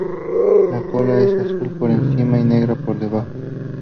La cola es azul por encima y negra por debajo.